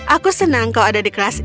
aku senang kau ada di kelas